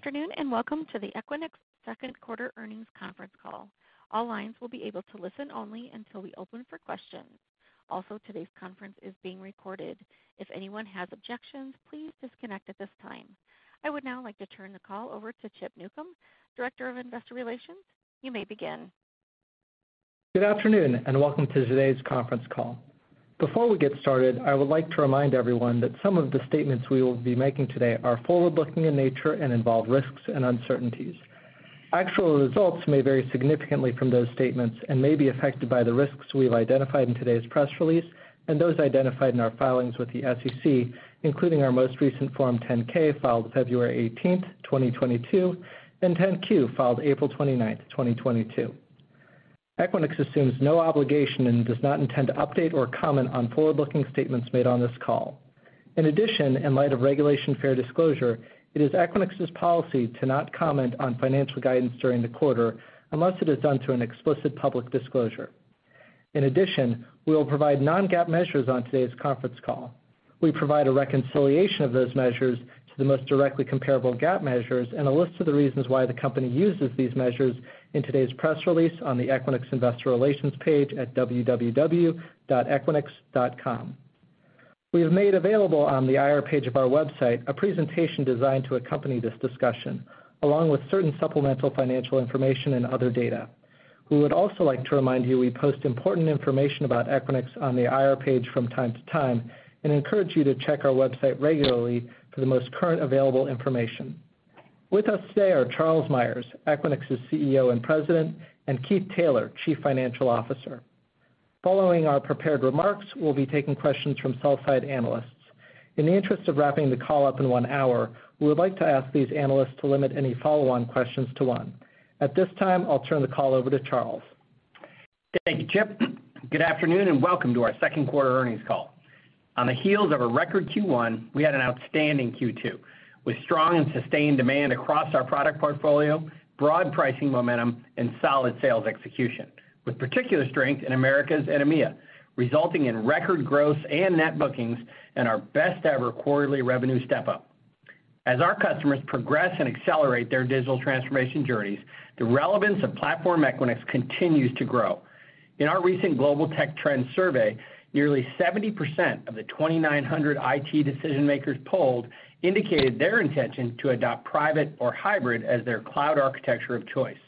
Good afternoon, and welcome to the Equinix second quarter earnings conference call. All lines will be able to listen only until we open for questions. Also, today's conference is being recorded. If anyone has objections, please disconnect at this time. I would now like to turn the call over to Chip Newcom, Director of Investor Relations. You may begin. Good afternoon, and welcome to today's conference call. Before we get started, I would like to remind everyone that some of the statements we will be making today are forward-looking in nature and involve risks and uncertainties. Actual results may vary significantly from those statements and may be affected by the risks we've identified in today's press release and those identified in our filings with the SEC, including our most recent Form 10-K filed February 18, 2022, and Form 10-Q filed April 29, 2022. Equinix assumes no obligation and does not intend to update or comment on forward-looking statements made on this call. In addition, in light of Regulation Fair Disclosure, it is Equinix's policy to not comment on financial guidance during the quarter unless it is done through an explicit public disclosure. In addition, we will provide non-GAAP measures on today's conference call. We provide a reconciliation of those measures to the most directly comparable GAAP measures and a list of the reasons why the company uses these measures in today's press release on the Equinix Investor Relations page at www.equinix.com. We have made available on the IR page of our website a presentation designed to accompany this discussion, along with certain supplemental financial information and other data. We would also like to remind you we post important information about Equinix on the IR page from time to time and encourage you to check our website regularly for the most current available information. With us today are Charles Meyers, Equinix's CEO and President, and Keith Taylor, Chief Financial Officer. Following our prepared remarks, we'll be taking questions from sell side analysts. In the interest of wrapping the call up in one hour, we would like to ask these analysts to limit any follow-on questions to one. At this time, I'll turn the call over to Charles. Thank you, Chip. Good afternoon, and welcome to our second quarter earnings call. On the heels of a record Q1, we had an outstanding Q2 with strong and sustained demand across our product portfolio, broad pricing momentum, and solid sales execution, with particular strength in Americas and EMEA, resulting in record gross and net bookings and our best ever quarterly revenue step-up. As our customers progress and accelerate their digital transformation journeys, the relevance of Platform Equinix continues to grow. In our recent Global Tech Trends Survey, nearly 70% of the 2,900 IT decision-makers polled indicated their intention to adopt private or hybrid as their cloud architecture of choice,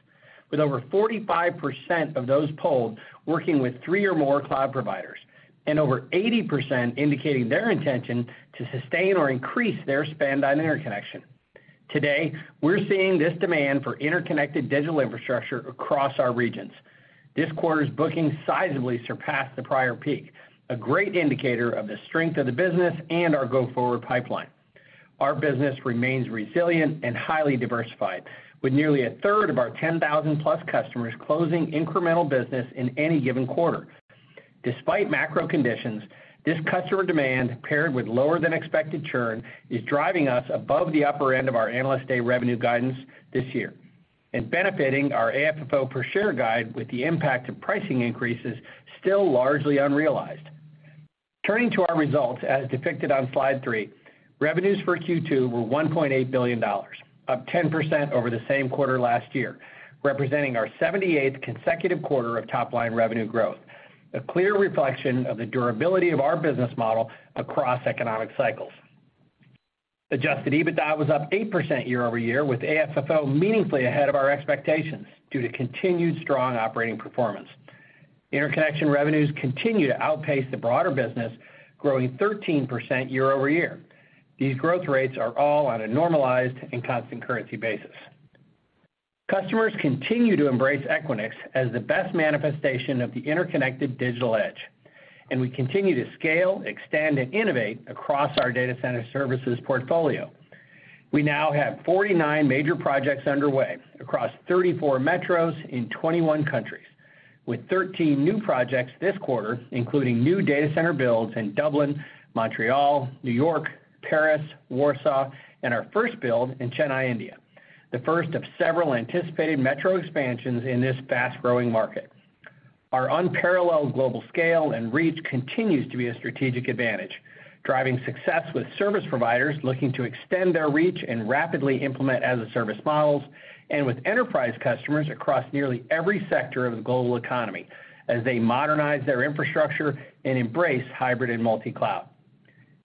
with over 45% of those polled working with three or more cloud providers, and over 80% indicating their intention to sustain or increase their spend on interconnection. Today, we're seeing this demand for interconnected digital infrastructure across our regions. This quarter's bookings sizably surpassed the prior peak, a great indicator of the strength of the business and our go-forward pipeline. Our business remains resilient and highly diversified, with nearly a third of our 10,000-plus customers closing incremental business in any given quarter. Despite macro conditions, this customer demand, paired with lower than expected churn, is driving us above the upper end of our Analyst Day revenue guidance this year and benefiting our AFFO per share guide with the impact of pricing increases still largely unrealized. Turning to our results as depicted on slide 3, revenues for Q2 were $1.8 billion, up 10% over the same quarter last year, representing our 78th consecutive quarter of top line revenue growth, a clear reflection of the durability of our business model across economic cycles. Adjusted EBITDA was up 8% year-over-year, with AFFO meaningfully ahead of our expectations due to continued strong operating performance. Interconnection revenues continue to outpace the broader business, growing 13% year-over-year. These growth rates are all on a normalized and constant currency basis. Customers continue to embrace Equinix as the best manifestation of the interconnected digital edge, and we continue to scale, extend, and innovate across our data center services portfolio. We now have 49 major projects underway across 34 metros in 21 countries, with 13 new projects this quarter, including new data center builds in Dublin, Montreal, New York, Paris, Warsaw, and our first build in Chennai, India, the first of several anticipated metro expansions in this fast-growing market. Our unparalleled global scale and reach continues to be a strategic advantage, driving success with service providers looking to extend their reach and rapidly implement as-a-service models, and with enterprise customers across nearly every sector of the global economy as they modernize their infrastructure and embrace hybrid and multi-cloud.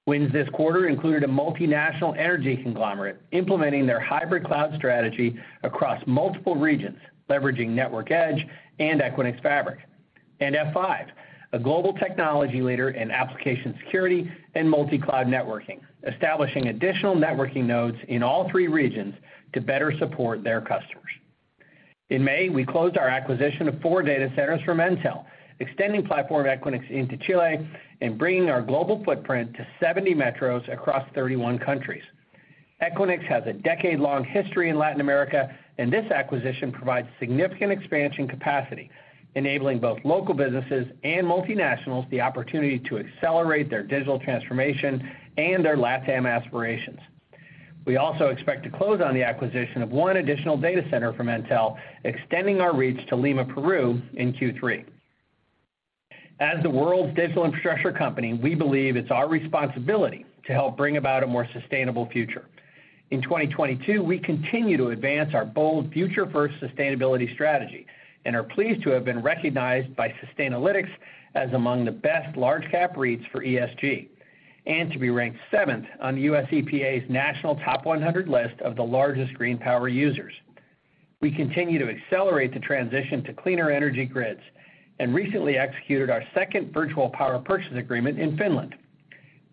Wins this quarter included a multinational energy conglomerate implementing their hybrid cloud strategy across multiple regions, leveraging Network Edge and Equinix Fabric. F5, a global technology leader in application security and multi-cloud networking, establishing additional networking nodes in all three regions to better support their customers. In May, we closed our acquisition of four data centers from Entel, extending Platform Equinix into Chile and bringing our global footprint to 70 metros across 31 countries. Equinix has a decade-long history in Latin America, and this acquisition provides significant expansion capacity, enabling both local businesses and multinationals the opportunity to accelerate their digital transformation and their LatAm aspirations. We also expect to close on the acquisition of one additional data center from Entel, extending our reach to Lima, Peru in Q3. As the world's digital infrastructure company, we believe it's our responsibility to help bring about a more sustainable future. In 2022, we continue to advance our bold future-first sustainability strategy and are pleased to have been recognized by Sustainalytics as among the best large cap REITs for ESG, and to be ranked seventh on the U.S. EPA's National Top 100 list of the largest green power users. We continue to accelerate the transition to cleaner energy grids and recently executed our second virtual power purchase agreement in Finland.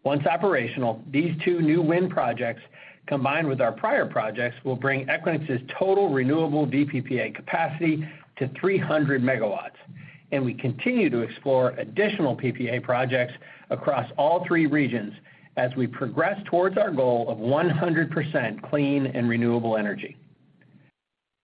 Once operational, these two new wind projects, combined with our prior projects, will bring Equinix's total renewable VPPA capacity to 300 megawatts, and we continue to explore additional PPA projects across all three regions as we progress towards our goal of 100% clean and renewable energy.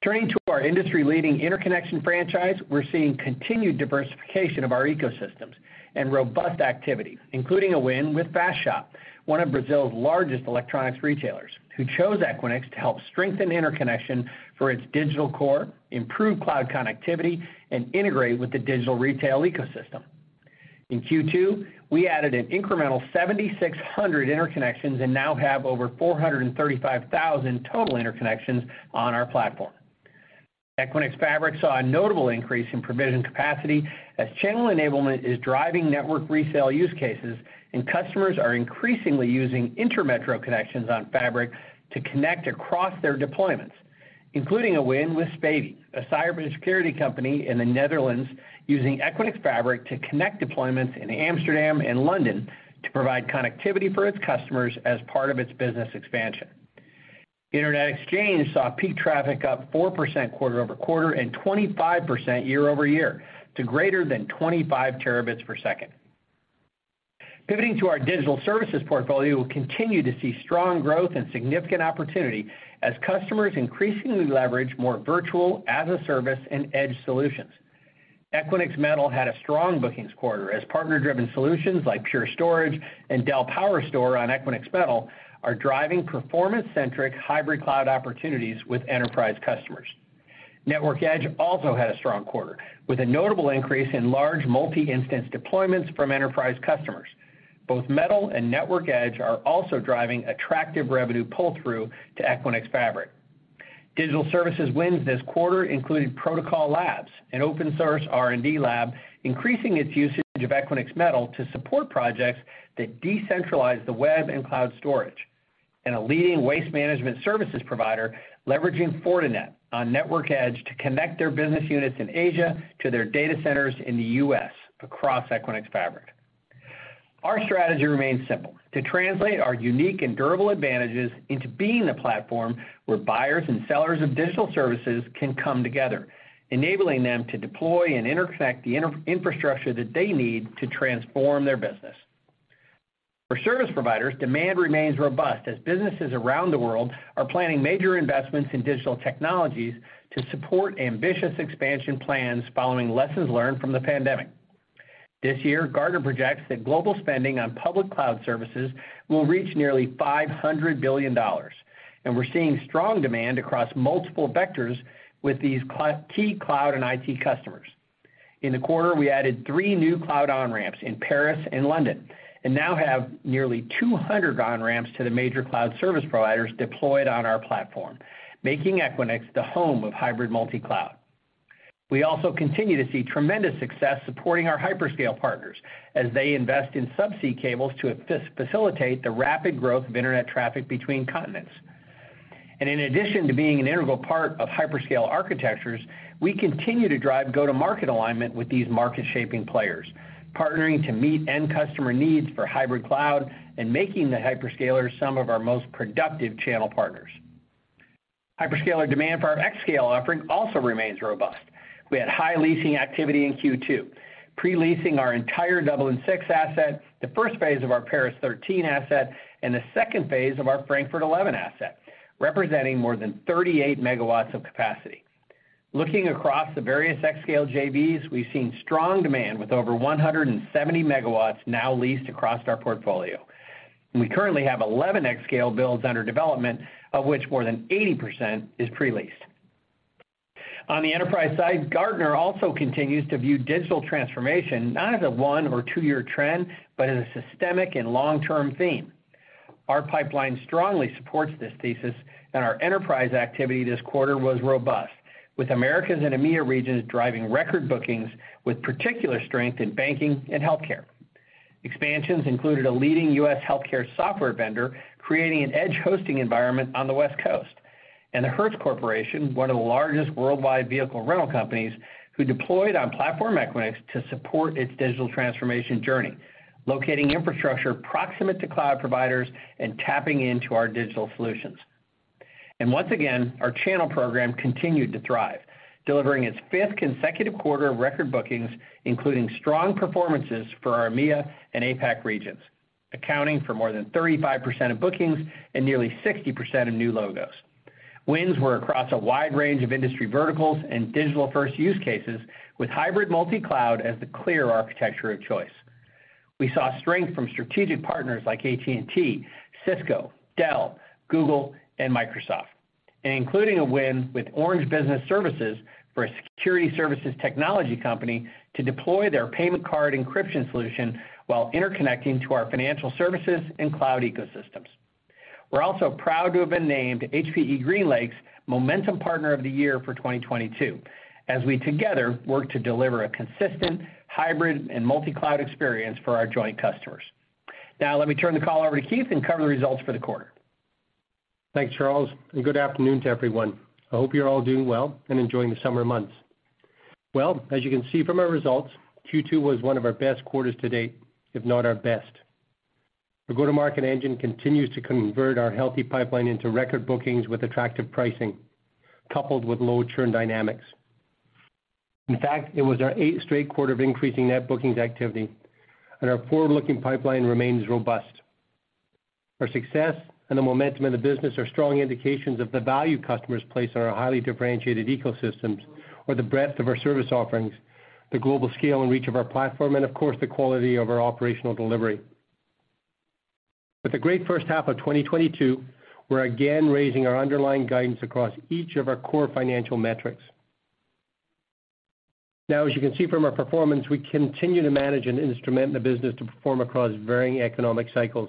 Turning to our industry-leading interconnection franchise, we're seeing continued diversification of our ecosystems and robust activity, including a win with Fast Shop, one of Brazil's largest electronics retailers, who chose Equinix to help strengthen interconnection for its digital core, improve cloud connectivity, and integrate with the digital retail ecosystem. In Q2, we added an incremental 7,600 interconnections and now have over 435,000 total interconnections on our platform. Equinix Fabric saw a notable increase in provision capacity as channel enablement is driving network resale use cases, and customers are increasingly using intermetro connections on Fabric to connect across their deployments, including a win with Spatie, a cybersecurity company in the Netherlands using Equinix Fabric to connect deployments in Amsterdam and London to provide connectivity for its customers as part of its business expansion. Internet exchange saw peak traffic up 4% quarter-over-quarter and 25% year-over-year to greater than 25 Tbps. Pivoting to our digital services portfolio, we continue to see strong growth and significant opportunity as customers increasingly leverage more virtual as a service and edge solutions. Equinix Metal had a strong bookings quarter as partner-driven solutions like Pure Storage and Dell PowerStore on Equinix Metal are driving performance-centric hybrid cloud opportunities with enterprise customers. Network Edge also had a strong quarter, with a notable increase in large multi-instance deployments from enterprise customers. Both Metal and Network Edge are also driving attractive revenue pull-through to Equinix Fabric. Digital Services wins this quarter included Protocol Labs, an open-source R&D lab, increasing its usage of Equinix Metal to support projects that decentralize the web and cloud storage, and a leading waste management services provider leveraging Fortinet on Network Edge to connect their business units in Asia to their data centers in the U.S. across Equinix Fabric. Our strategy remains simple. To translate our unique and durable advantages into being the platform where buyers and sellers of digital services can come together, enabling them to deploy and interconnect the inter-infrastructure that they need to transform their business. For service providers, demand remains robust as businesses around the world are planning major investments in digital technologies to support ambitious expansion plans following lessons learned from the pandemic. This year, Gartner projects that global spending on public cloud services will reach nearly $500 billion, and we're seeing strong demand across multiple vectors with these key cloud and IT customers. In the quarter, we added 3 new cloud on-ramps in Paris and London, and now have nearly 200 on-ramps to the major cloud service providers deployed on our platform, making Equinix the home of hybrid multi-cloud. We also continue to see tremendous success supporting our hyperscale partners as they invest in subsea cables to facilitate the rapid growth of internet traffic between continents In addition to being an integral part of hyperscale architectures, we continue to drive go-to-market alignment with these market-shaping players, partnering to meet end customer needs for hybrid cloud and making the hyperscalers some of our most productive channel partners. Hyperscaler demand for our xScale offering also remains robust. We had high leasing activity in Q2, pre-leasing our entire Dublin Six asset, the first phase of our Paris Thirteen asset, and the second phase of our Frankfurt Eleven asset, representing more than 38 megawatts of capacity. Looking across the various xScale JVs, we've seen strong demand with over 170 megawatts now leased across our portfolio. We currently have 11 xScale builds under development, of which more than 80% is pre-leased. On the enterprise side, Gartner also continues to view digital transformation not as a 1 or 2-year trend, but as a systemic and long-term theme. Our pipeline strongly supports this thesis, and our enterprise activity this quarter was robust, with Americas and EMEA regions driving record bookings with particular strength in banking and healthcare. Expansions included a leading U.S. healthcare software vendor creating an edge hosting environment on the West Coast, and the Hertz Corporation, one of the largest worldwide vehicle rental companies, who deployed on Platform Equinix to support its digital transformation journey, locating infrastructure proximate to cloud providers and tapping into our digital solutions. Once again, our channel program continued to thrive, delivering its fifth consecutive quarter of record bookings, including strong performances for our EMEA and APAC regions, accounting for more than 35% of bookings and nearly 60% of new logos. Wins were across a wide range of industry verticals and digital-first use cases with hybrid multi-cloud as the clear architecture of choice. We saw strength from strategic partners like AT&T, Cisco, Dell, Google, and Microsoft, and including a win with Orange Business Services for a security services technology company to deploy their payment card encryption solution while interconnecting to our financial services and cloud ecosystems. We're also proud to have been named HPE GreenLake's Momentum Partner of the Year for 2022, as we together work to deliver a consistent hybrid and multi-cloud experience for our joint customers. Now, let me turn the call over to Keith and cover the results for the quarter. Thanks, Charles, and good afternoon to everyone. I hope you're all doing well and enjoying the summer months. Well, as you can see from our results, Q2 was one of our best quarters to date, if not our best. The go-to-market engine continues to convert our healthy pipeline into record bookings with attractive pricing, coupled with low churn dynamics. In fact, it was our eighth straight quarter of increasing net bookings activity, and our forward-looking pipeline remains robust. Our success and the momentum in the business are strong indications of the value customers place on our highly differentiated ecosystems or the breadth of our service offerings, the global scale and reach of our platform, and of course, the quality of our operational delivery. With a great first half of 2022, we're again raising our underlying guidance across each of our core financial metrics. Now, as you can see from our performance, we continue to manage and instrument the business to perform across varying economic cycles,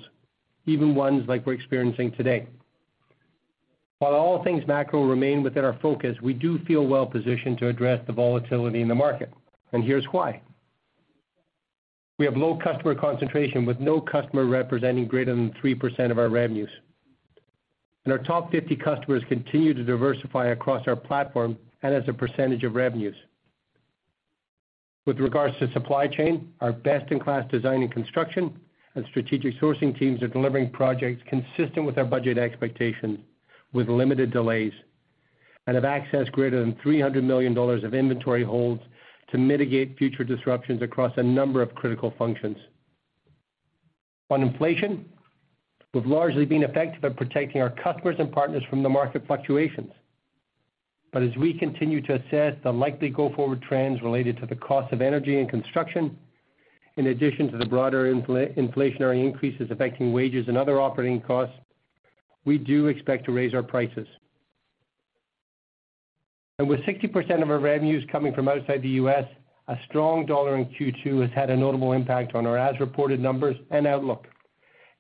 even ones like we're experiencing today. While all things macro remain within our focus, we do feel well-positioned to address the volatility in the market, and here's why. We have low customer concentration with no customer representing greater than 3% of our revenues. Our top 50 customers continue to diversify across our platform and as a percentage of revenues. With regards to supply chain, our best-in-class design and construction and strategic sourcing teams are delivering projects consistent with our budget expectations with limited delays, and have accessed greater than $300 million of inventory holds to mitigate future disruptions across a number of critical functions. On inflation, we've largely been effective at protecting our customers and partners from the market fluctuations. As we continue to assess the likely go-forward trends related to the cost of energy and construction, in addition to the broader inflationary increases affecting wages and other operating costs, we do expect to raise our prices. With 60% of our revenues coming from outside the US, a strong dollar in Q2 has had a notable impact on our as-reported numbers and outlook.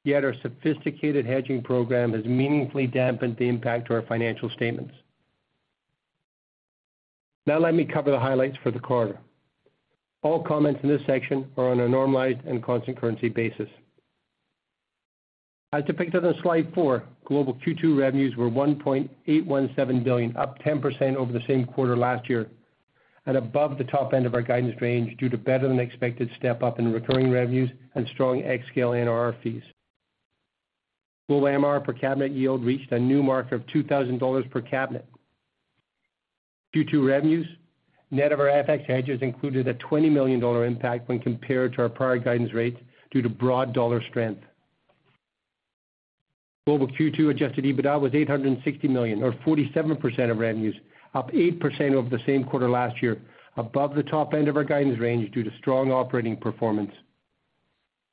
Yet our sophisticated hedging program has meaningfully dampened the impact to our financial statements. Now, let me cover the highlights for the quarter. All comments in this section are on a normalized and constant currency basis. As depicted on slide 4, global Q2 revenues were $1.817 billion, up 10% over the same quarter last year, and above the top end of our guidance range due to better-than-expected step-up in recurring revenues and strong xScale ANR fees. Global MRR per cabinet yield reached a new mark of $2,000 per cabinet. Q2 revenues, net of our FX hedges, included a $20 million impact when compared to our prior guidance rates due to broad dollar strength. Global Q2 Adjusted EBITDA was $860 million or 47% of revenues, up 8% over the same quarter last year, above the top end of our guidance range due to strong operating performance.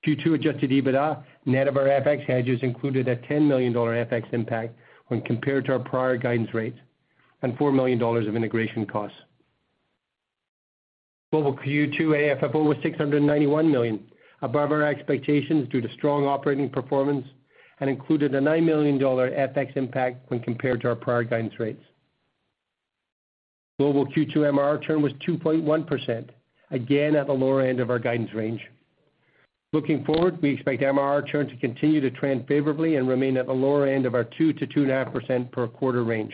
Q2 Adjusted EBITDA, net of our FX hedges, included a $10 million FX impact when compared to our prior guidance rates, and $4 million of integration costs. Global Q2 AFFO was $691 million, above our expectations due to strong operating performance and included a $9 million FX impact when compared to our prior guidance rates. Global Q2 MRR churn was 2.1%, again at the lower end of our guidance range. Looking forward, we expect MRR churn to continue to trend favorably and remain at the lower end of our 2%-2.5% per quarter range.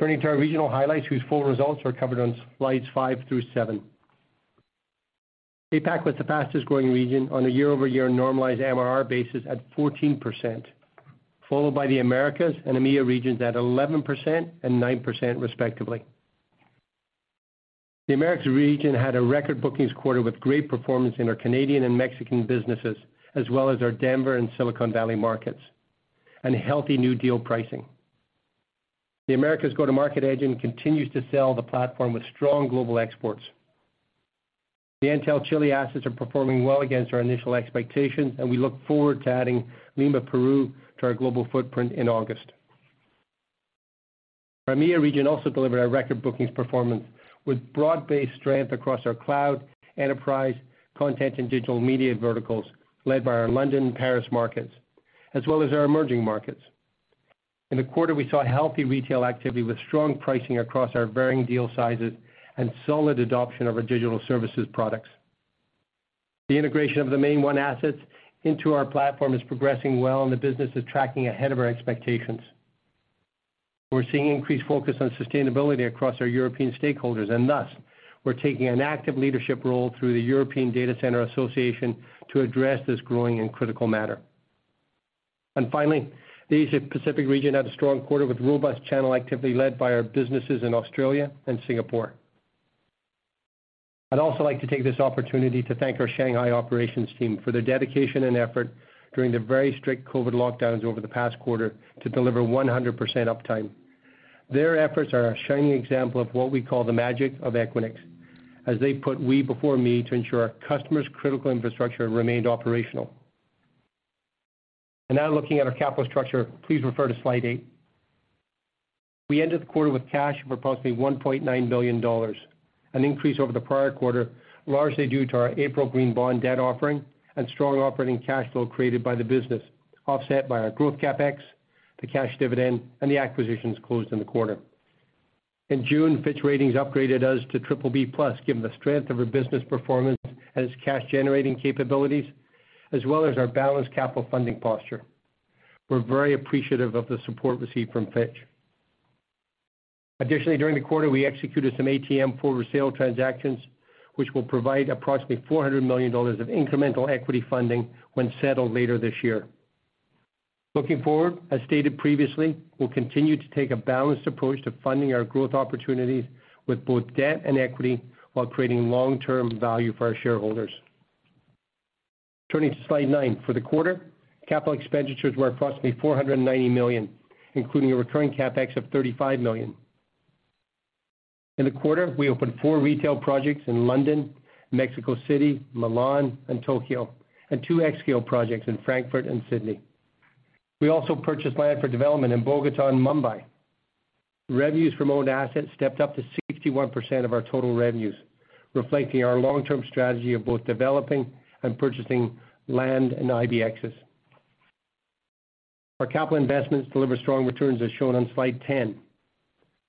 Turning to our regional highlights, whose full results are covered on slides 5 through 7. APAC was the fastest-growing region on a year-over-year normalized MRR basis at 14%, followed by the Americas and EMEA regions at 11% and 9% respectively. The Americas region had a record bookings quarter with great performance in our Canadian and Mexican businesses as well as our Denver and Silicon Valley markets and healthy new deal pricing. The Americas' go-to-market engine continues to sell the platform with strong global exports. The Entel Chile assets are performing well against our initial expectations, and we look forward to adding Lima, Peru, to our global footprint in August. Our EMEA region also delivered a record bookings performance with broad-based strength across our cloud, enterprise, content, and digital media verticals led by our London, Paris markets, as well as our emerging markets. In the quarter, we saw healthy retail activity with strong pricing across our varying deal sizes and solid adoption of our digital services products. The integration of the MainOne assets into our platform is progressing well, and the business is tracking ahead of our expectations. We're seeing increased focus on sustainability across our European stakeholders, and thus, we're taking an active leadership role through the European Data Centre Association to address this growing and critical matter. Finally, the Asia Pacific region had a strong quarter with robust channel activity led by our businesses in Australia and Singapore. I'd also like to take this opportunity to thank our Shanghai operations team for their dedication and effort during the very strict COVID lockdowns over the past quarter to deliver 100% uptime. Their efforts are a shining example of what we call the magic of Equinix, as they put we before me to ensure our customers' critical infrastructure remained operational. Now looking at our capital structure, please refer to slide 8. We ended the quarter with cash of approximately $1.9 billion, an increase over the prior quarter, largely due to our April green bond debt offering and strong operating cash flow created by the business, offset by our growth CapEx, the cash dividend, and the acquisitions closed in the quarter. In June, Fitch Ratings upgraded us to BBB+, given the strength of our business performance and its cash-generating capabilities, as well as our balanced capital funding posture. We're very appreciative of the support received from Fitch. Additionally, during the quarter, we executed some ATM for resale transactions, which will provide approximately $400 million of incremental equity funding when settled later this year. Looking forward, as stated previously, we'll continue to take a balanced approach to funding our growth opportunities with both debt and equity while creating long-term value for our shareholders. Turning to slide 9. For the quarter, capital expenditures were approximately $490 million, including a recurring CapEx of $35 million. In the quarter, we opened 4 retail projects in London, Mexico City, Milan, and Tokyo, and 2 xScale projects in Frankfurt and Sydney. We also purchased land for development in Bogotá and Mumbai. Revenues from owned assets stepped up to 61% of our total revenues, reflecting our long-term strategy of both developing and purchasing land and IBXs. Our capital investments deliver strong returns, as shown on slide 10.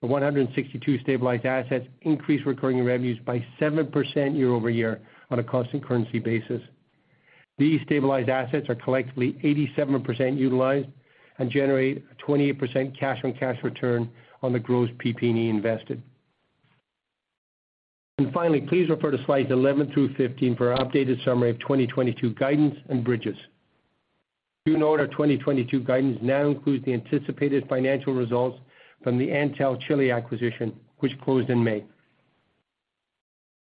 The 162 stabilized assets increased recurring revenues by 7% year over year on a constant currency basis. These stabilized assets are collectively 87% utilized and generate a 28% cash-on-cash return on the gross PP&E invested. Finally, please refer to slides 11 through 15 for our updated summary of 2022 guidance and bridges. Do note our 2022 guidance now includes the anticipated financial results from the Entel Chile acquisition, which closed in May.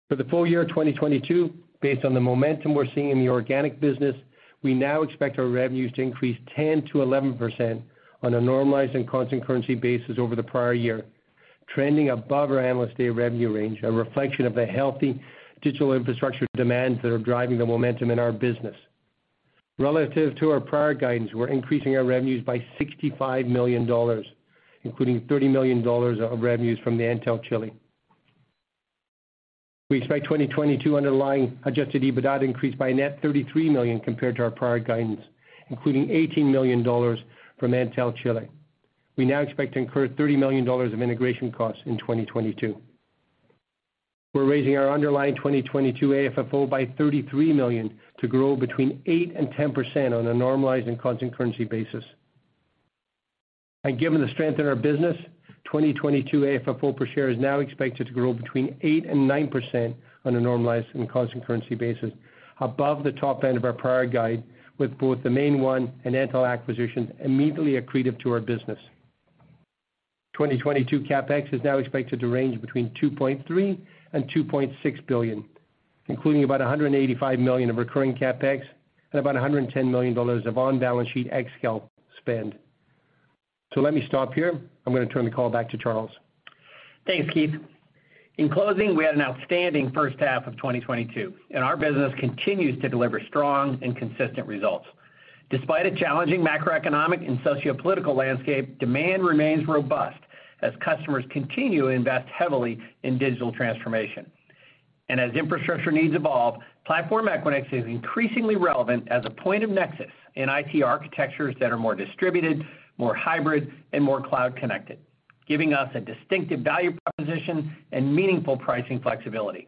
For the full year of 2022, based on the momentum we're seeing in the organic business, we now expect our revenues to increase 10%-11% on a normalized and constant currency basis over the prior year, trending above our Analyst Day revenue range, a reflection of the healthy digital infrastructure demands that are driving the momentum in our business. Relative to our prior guidance, we're increasing our revenues by $65 million, including $30 million of revenues from the Entel Chile. We expect 2022 underlying Adjusted EBITDA to increase by a net $33 million compared to our prior guidance, including $18 million from Entel Chile. We now expect to incur $30 million of integration costs in 2022. We're raising our underlying 2022 AFFO by $33 million to grow between 8%-10% on a normalized and constant currency basis. Given the strength in our business, 2022 AFFO per share is now expected to grow between 8%-9% on a normalized and constant currency basis, above the top end of our prior guide, with both the MainOne and Entel acquisitions immediately accretive to our business. 2022 CapEx is now expected to range between $2.3 billion-$2.6 billion, including about $185 million of recurring CapEx and about $110 million of on-balance sheet xScale spend. Let me stop here. I'm going to turn the call back to Charles. Thanks, Keith. In closing, we had an outstanding first half of 2022, and our business continues to deliver strong and consistent results. Despite a challenging macroeconomic and sociopolitical landscape, demand remains robust as customers continue to invest heavily in digital transformation. As infrastructure needs evolve, Platform Equinix is increasingly relevant as a point of nexus in IT architectures that are more distributed, more hybrid, and more cloud-connected, giving us a distinctive value proposition and meaningful pricing flexibility.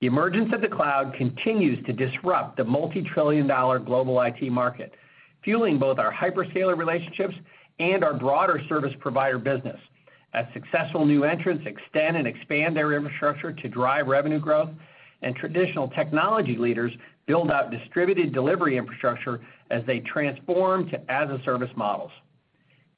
The emergence of the cloud continues to disrupt the multi-trillion-dollar global IT market, fueling both our hyperscaler relationships and our broader service provider business as successful new entrants extend and expand their infrastructure to drive revenue growth and traditional technology leaders build out distributed delivery infrastructure as they transform to as-a-service models.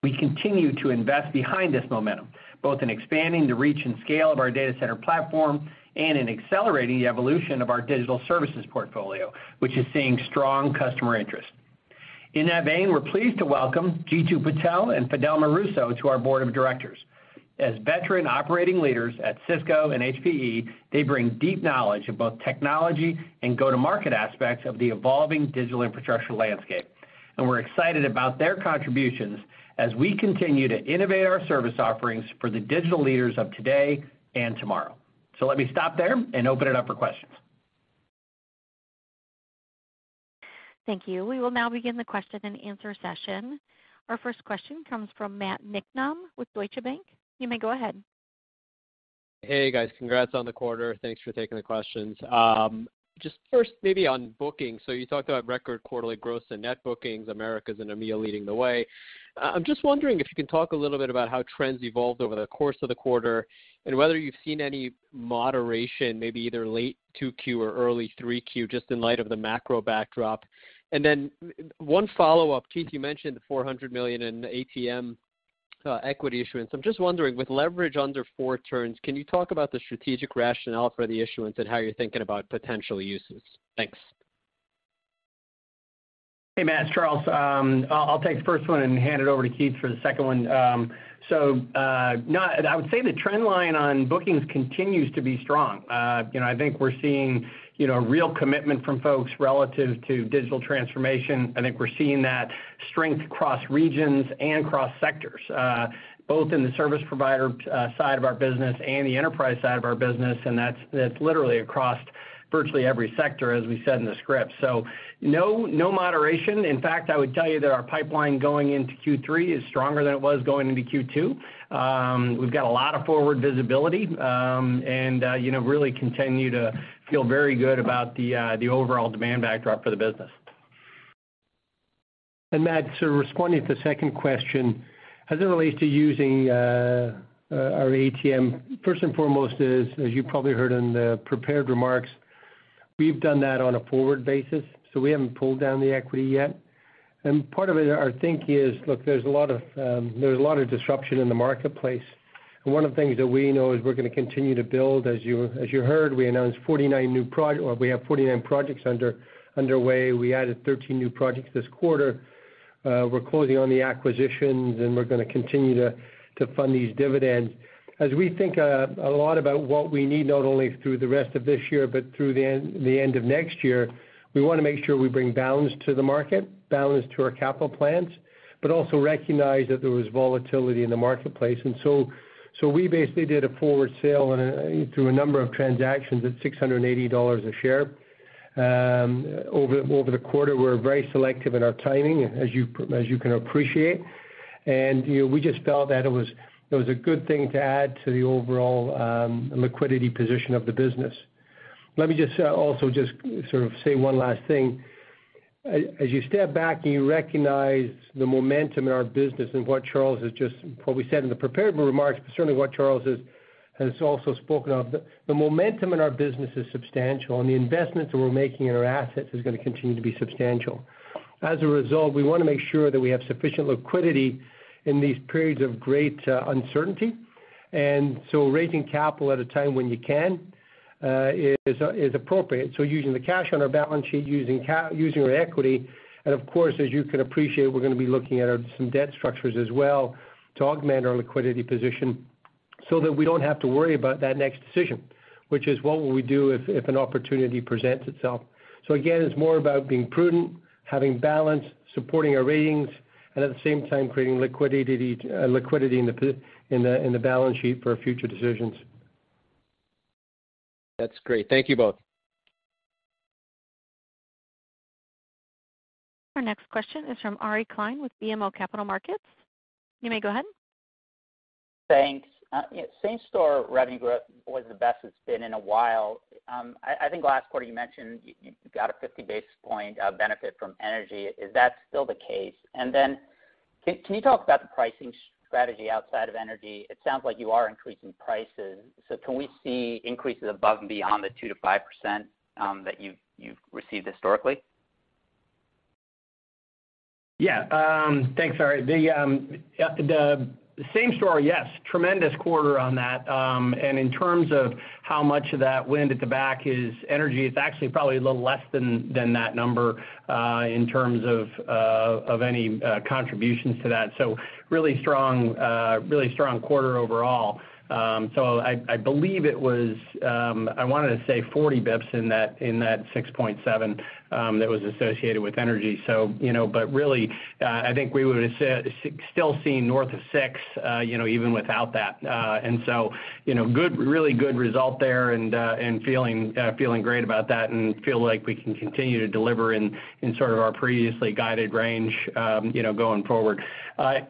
We continue to invest behind this momentum, both in expanding the reach and scale of our data center platform and in accelerating the evolution of our digital services portfolio, which is seeing strong customer interest. In that vein, we're pleased to welcome Jeetu Patel and Fidelma Russo to our board of directors. As veteran operating leaders at Cisco and HPE, they bring deep knowledge of both technology and go-to-market aspects of the evolving digital infrastructure landscape, and we're excited about their contributions as we continue to innovate our service offerings for the digital leaders of today and tomorrow. Let me stop there and open it up for questions. Thank you. We will now begin the question-and-answer session. Our first question comes from Matthew Niknam with Deutsche Bank. You may go ahead. Hey guys. Congrats on the quarter. Thanks for taking the questions. Just first maybe on bookings. You talked about record quarterly gross and net bookings, Americas and EMEA leading the way. I'm just wondering if you can talk a little bit about how trends evolved over the course of the quarter and whether you've seen any moderation, maybe either late 2Q or early 3Q, just in light of the macro backdrop. One follow-up. Keith, you mentioned the $400 million in ATM equity issuance. I'm just wondering, with leverage under 4 turns, can you talk about the strategic rationale for the issuance and how you're thinking about potential uses? Thanks. Hey, Matt, it's Charles. I'll take the first one and hand it over to Keith for the second one. I would say the trend line on bookings continues to be strong. You know, I think we're seeing you know real commitment from folks relative to digital transformation. I think we're seeing that strength across regions and across sectors, both in the service provider side of our business and the enterprise side of our business. That's literally across virtually every sector, as we said in the script. No moderation. In fact, I would tell you that our pipeline going into Q3 is stronger than it was going into Q2. We've got a lot of forward visibility, and you know really continue to feel very good about the overall demand backdrop for the business. Matt, sort of responding to the second question as it relates to using our ATM. First and foremost is, as you probably heard in the prepared remarks, we've done that on a forward basis, so we haven't pulled down the equity yet. Part of it, our thinking is, look, there's a lot of disruption in the marketplace. One of the things that we know is we're gonna continue to build. As you heard, we announced 49 new projects or we have 49 projects under way. We added 13 new projects this quarter. We're closing on the acquisitions, and we're gonna continue to fund these dividends. As we think a lot about what we need, not only through the rest of this year, but through the end of next year, we want to make sure we bring balance to the market, balance to our capital plans, but also recognize that there was volatility in the marketplace. We basically did a forward sale through a number of transactions at $680 a share over the quarter. We're very selective in our timing, as you can appreciate. You know, we just felt that it was a good thing to add to the overall liquidity position of the business. Let me just also just sort of say one last thing. As you step back and you recognize the momentum in our business and what we said in the prepared remarks, but certainly what Charles has also spoken of, the momentum in our business is substantial, and the investments that we're making in our assets is gonna continue to be substantial. As a result, we want to make sure that we have sufficient liquidity in these periods of great uncertainty. Raising capital at a time when you can is appropriate. Using the cash on our balance sheet, using our equity, and of course, as you can appreciate, we're gonna be looking at some debt structures as well to augment our liquidity position so that we don't have to worry about that next decision, which is what will we do if an opportunity presents itself. Again, it's more about being prudent, having balance, supporting our ratings, and at the same time creating liquidity in the balance sheet for future decisions. That's great. Thank you both. Our next question is from Ari Klein with BMO Capital Markets. You may go ahead. Thanks. Yeah, same-store revenue growth was the best it's been in a while. I think last quarter you mentioned you got a 50 basis points benefit from energy. Is that still the case? Can you talk about the pricing strategy outside of energy? It sounds like you are increasing prices. Can we see increases above and beyond the 2%-5% that you've received historically? Yeah. Thanks, Ari Klein. The same store, yes, tremendous quarter on that. In terms of how much of that wind at the back is energy, it's actually probably a little less than that number in terms of of any contributions to that. Really strong quarter overall. I believe it was, I wanted to say 40 basis points in that 6.7% that was associated with energy. You know, but really, I think we would have still seen north of 6%, you know, even without that. You know, good really good result there and feeling great about that and feel like we can continue to deliver in sort of our previously guided range, you know, going forward.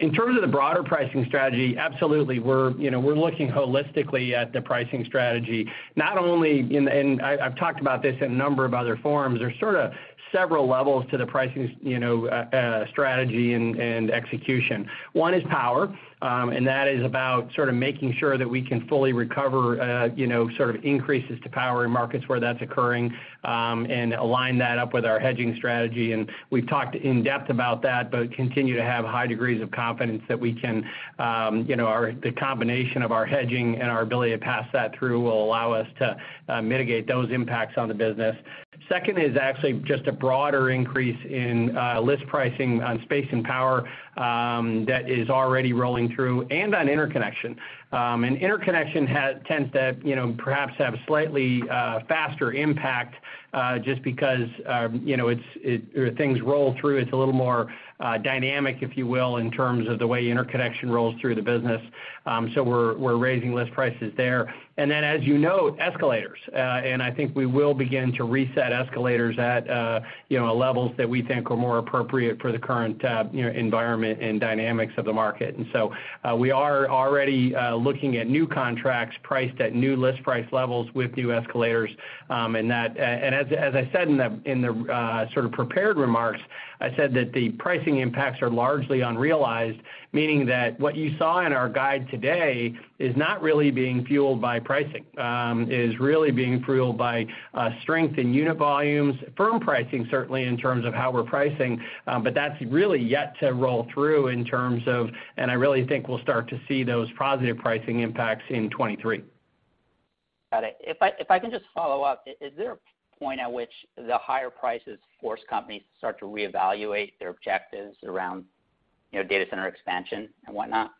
In terms of the broader pricing strategy, absolutely, we're looking holistically at the pricing strategy, not only, and I've talked about this in a number of other forums. There's sort of several levels to the pricing, you know, strategy and execution. One is power, and that is about sort of making sure that we can fully recover, you know, sort of increases to power in markets where that's occurring, and align that up with our hedging strategy. We've talked in depth about that, but continue to have high degrees of confidence that we can, you know, the combination of our hedging and our ability to pass that through will allow us to mitigate those impacts on the business. Second is actually just a broader increase in list pricing on space and power that is already rolling through and on interconnection. Interconnection tends to, you know, perhaps have slightly faster impact just because, you know, it's or things roll through. It's a little more dynamic, if you will, in terms of the way interconnection rolls through the business. We're raising list prices there. As you know, escalators and I think we will begin to reset escalators at you know levels that we think are more appropriate for the current you know environment and dynamics of the market. We are already looking at new contracts priced at new list price levels with new escalators, and as I said in the sort of prepared remarks, I said that the pricing impacts are largely unrealized, meaning that what you saw in our guide today is not really being fueled by pricing, is really being fueled by strength in unit volumes. Firm pricing, certainly in terms of how we're pricing, but that's really yet to roll through in terms of. I really think we'll start to see those positive pricing impacts in 2023. Got it. If I can just follow up, is there a point at which the higher prices force companies to start to reevaluate their objectives around, you know, data center expansion and whatnot?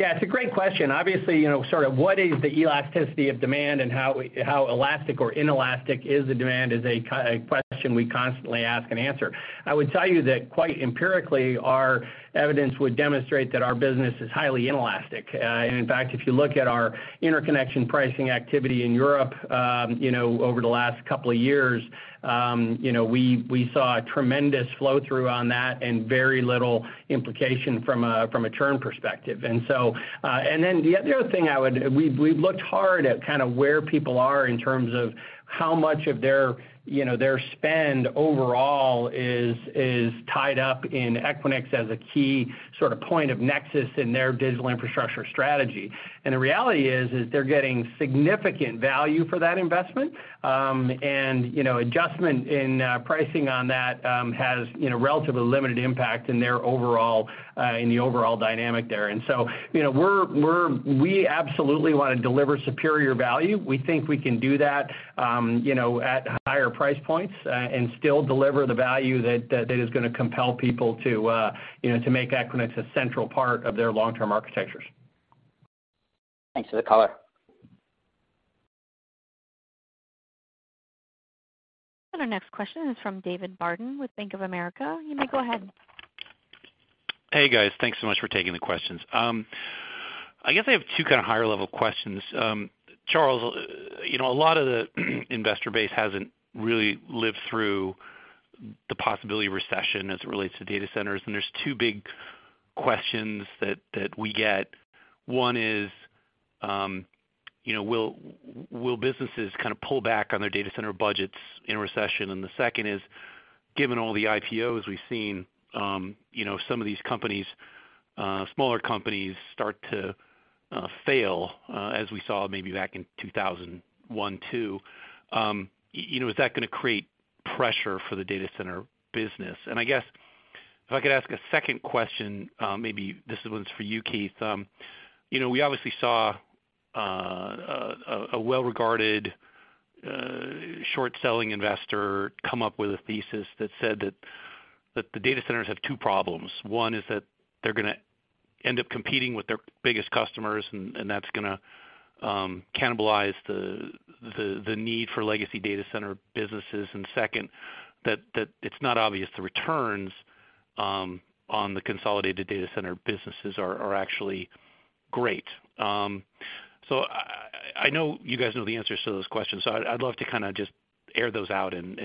Yeah, it's a great question. Obviously, you know, sort of what is the elasticity of demand and how elastic or inelastic is the demand is a question we constantly ask and answer. I would tell you that quite empirically, our evidence would demonstrate that our business is highly inelastic. In fact, if you look at our interconnection pricing activity in Europe, you know, over the last couple of years, you know, we saw a tremendous flow-through on that and very little implication from a churn perspective. We've looked hard at kind of where people are in terms of how much of their, you know, their spend overall is tied up in Equinix as a key sort of point of nexus in their digital infrastructure strategy. The reality is, they're getting significant value for that investment, and you know, adjustment in pricing on that has you know, relatively limited impact in their overall dynamic there. You know, we absolutely want to deliver superior value. We think we can do that, you know, at higher price points, and still deliver the value that is gonna compel people to, you know, to make Equinix a central part of their long-term architectures. Thanks for the color. Our next question is from David Barden with Bank of America. You may go ahead. Hey, guys. Thanks so much for taking the questions. I guess I have two kind of higher level questions. Charles, you know, a lot of the investor base hasn't really lived through the possibility of recession as it relates to data centers, and there's two big questions that we get. One is, you know, will businesses kind of pull back on their data center budgets in a recession? And the second is, given all the IPOs we've seen, you know, some of these companies, smaller companies start to fail, as we saw maybe back in 2001, 2002, you know, is that gonna create pressure for the data center business? And I guess if I could ask a second question, maybe this one's for you, Keith. You know, we obviously saw a well-regarded short-selling investor come up with a thesis that said that the data centers have two problems. One is that they're gonna end up competing with their biggest customers, and that's gonna cannibalize the need for legacy data center businesses. Second, it's not obvious the returns on the consolidated data center businesses are actually great. So I know you guys know the answers to those questions, so I'd love to kind of just air those out and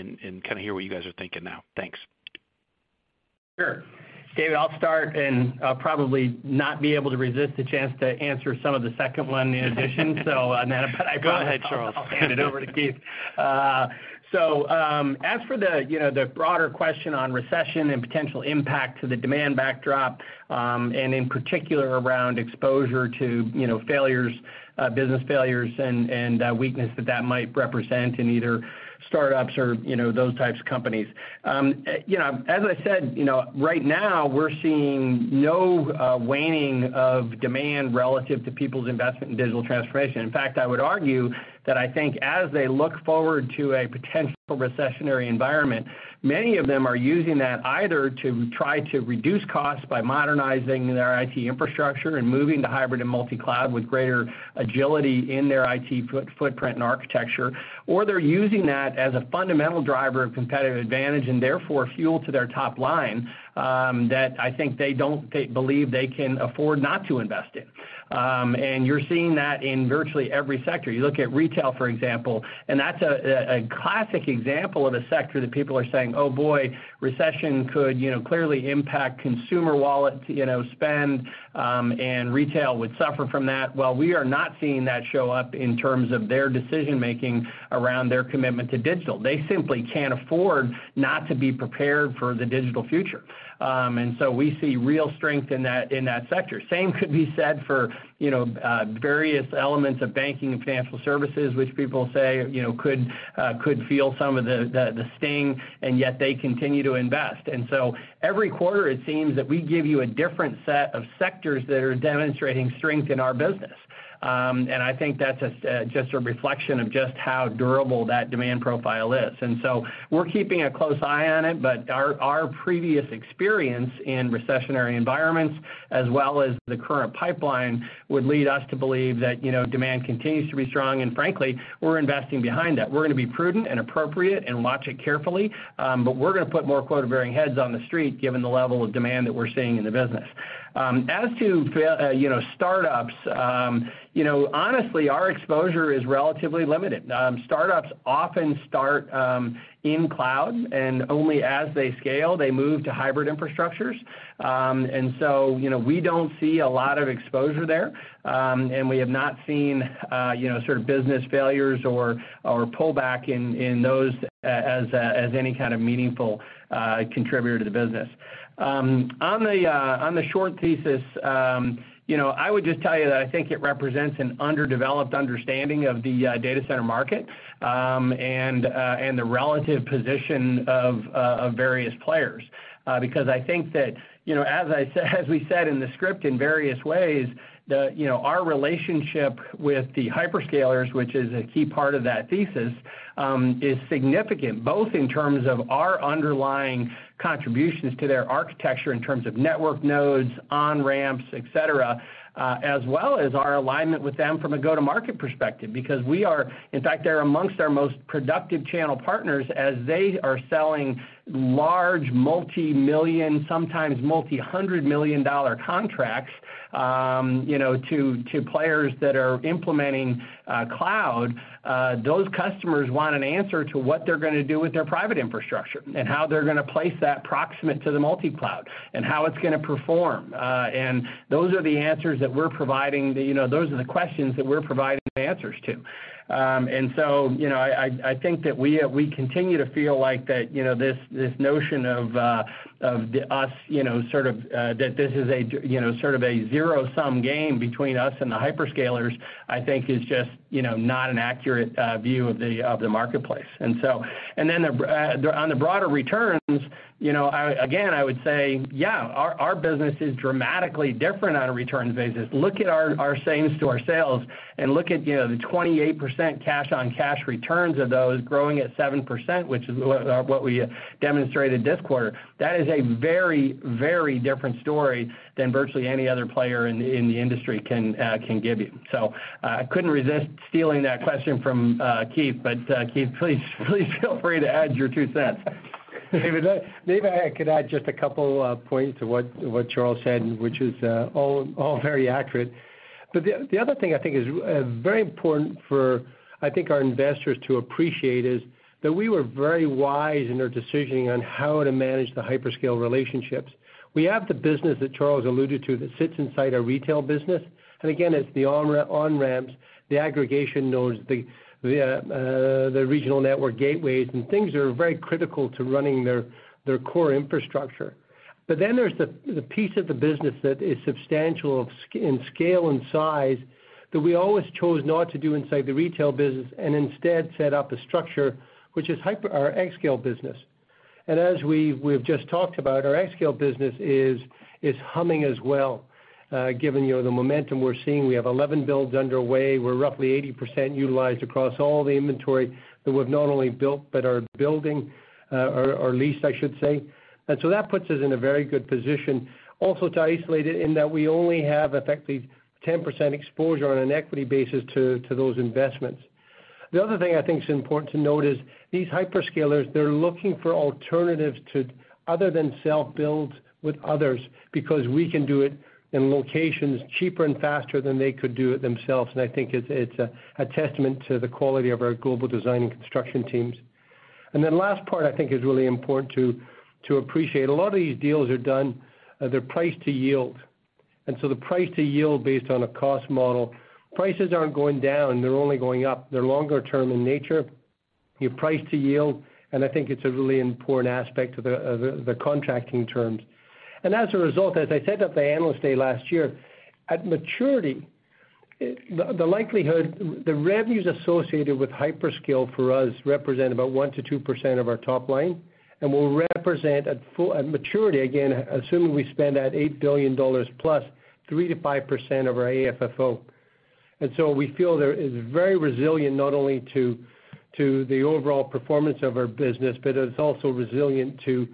kind of hear what you guys are thinking now. Thanks. Sure. David, I'll start, and I'll probably not be able to resist the chance to answer some of the second one in addition. On that front. Go ahead, Charles. I'll hand it over to Keith. As for the broader question on recession and potential impact to the demand backdrop, and in particular around exposure to, you know, failures, business failures and weakness that might represent in either startups or, you know, those types of companies. You know, as I said, you know, right now we're seeing no waning of demand relative to people's investment in digital transformation. In fact, I would argue that I think as they look forward to a potential recessionary environment, many of them are using that either to try to reduce costs by modernizing their IT infrastructure and moving to hybrid and multi-cloud with greater agility in their IT footprint and architecture. They're using that as a fundamental driver of competitive advantage and therefore fuel to their top line, that I think they don't believe they can afford not to invest in. You're seeing that in virtually every sector. You look at retail, for example, and that's a classic example of a sector that people are saying, "Oh boy, recession could, you know, clearly impact consumer wallet, you know, spend, and retail would suffer from that." Well, we are not seeing that show up in terms of their decision-making around their commitment to digital. They simply can't afford not to be prepared for the digital future. We see real strength in that sector. Same could be said for, you know, various elements of banking and financial services, which people say, you know, could feel some of the sting, and yet they continue to invest. Every quarter, it seems that we give you a different set of sectors that are demonstrating strength in our business. I think that's just a reflection of just how durable that demand profile is. We're keeping a close eye on it, but our previous experience in recessionary environments as well as the current pipeline would lead us to believe that, you know, demand continues to be strong, and frankly, we're investing behind that. We're gonna be prudent and appropriate and watch it carefully, but we're gonna put more quota-bearing heads on the street given the level of demand that we're seeing in the business. As to, you know, startups, you know, honestly, our exposure is relatively limited. Startups often start in cloud, and only as they scale, they move to hybrid infrastructures. You know, we don't see a lot of exposure there. We have not seen, you know, sort of business failures or pullback in those as any kind of meaningful contributor to the business. On the short thesis, you know, I would just tell you that I think it represents an underdeveloped understanding of the data center market, and the relative position of various players. Because I think that, you know, as I said, as we said in the script in various ways, the, you know, our relationship with the hyperscalers, which is a key part of that thesis, is significant, both in terms of our underlying contributions to their architecture in terms of network nodes, on-ramps, et cetera, as well as our alignment with them from a go-to-market perspective. In fact, they're amongst our most productive channel partners as they are selling large multi-million-dollar, sometimes multi-hundred-million-dollar contracts, you know, to players that are implementing cloud. Those customers want an answer to what they're gonna do with their private infrastructure and how they're gonna place that proximate to the multi-cloud and how it's gonna perform. And those are the answers that we're providing. You know, those are the questions that we're providing the answers to. You know, I think that we continue to feel like that, you know, this notion of us, you know, sort of that this is a zero-sum game between us and the hyperscalers, I think is just, you know, not an accurate view of the marketplace. On the broader returns, you know, I again would say, yeah, our business is dramatically different on a returns basis. Look at our same-store sales and look at, you know, the 28% cash-on-cash returns of those growing at 7%, which is what we demonstrated this quarter. That is a very, very different story than virtually any other player in the industry can give you. Couldn't resist stealing that question from Keith, but Keith, please feel free to add your two cents. David, maybe I could add just a couple of points to what Charles said, which is all very accurate. The other thing I think is very important for, I think, our investors to appreciate is that we were very wise in our decisioning on how to manage the hyperscale relationships. We have the business that Charles alluded to that sits inside our retail business. Again, it's the on-ramps, the aggregation nodes, the regional network gateways, and things that are very critical to running their core infrastructure. Then there's the piece of the business that is substantial in scale and size that we always chose not to do inside the retail business, and instead set up a structure which is our xScale business. As we've just talked about, our xScale business is humming as well, given, you know, the momentum we're seeing. We have 11 builds underway. We're roughly 80% utilized across all the inventory that we've not only built but are building, or leased, I should say. That puts us in a very good position also to isolate it in that we only have effectively 10% exposure on an equity basis to those investments. The other thing I think is important to note is these hyperscalers, they're looking for alternatives to other than self-build with others because we can do it in locations cheaper and faster than they could do it themselves. I think it's a testament to the quality of our global design and construction teams. The last part I think is really important to appreciate. A lot of these deals are done, they're priced to yield. So the price to yield based on a cost model, prices aren't going down, they're only going up. They're longer term in nature. You price to yield, and I think it's a really important aspect of the contracting terms. As a result, as I said at the Analyst Day last year, at maturity, the revenues associated with hyperscale for us represent about 1%-2% of our top line and will represent at maturity, again, assuming we spend that $8 billion plus, 3%-5% of our AFFO. What we feel there is very resilient not only to the overall performance of our business, but it's also resilient to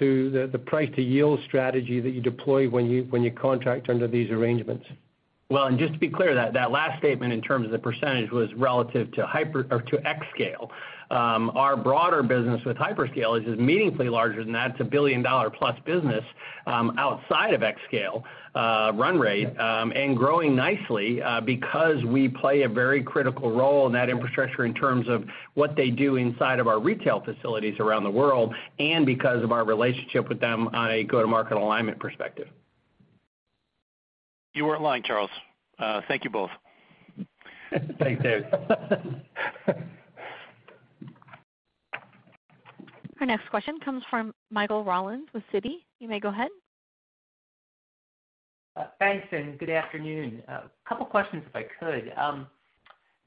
the price-to-yield strategy that you deploy when you contract under these arrangements. Just to be clear, that last statement in terms of the percentage was relative to hyperscale or to xScale. Our broader business with hyperscale is meaningfully larger than that. It's a billion-dollar-plus business outside of xScale run rate and growing nicely because we play a very critical role in that infrastructure in terms of what they do inside of our retail facilities around the world and because of our relationship with them on a go-to-market alignment perspective. You were online, Charles. Thank you both. Thanks, Dave. Our next question comes from Michael Rollins with Citi. You may go ahead. Thanks and good afternoon. Couple questions if I could.